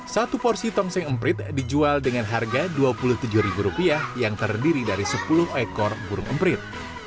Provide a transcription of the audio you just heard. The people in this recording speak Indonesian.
satu porsi tongseng emprit dijual dengan harga rp dua puluh tujuh yang terdiri dari sepuluh ekor burung emprit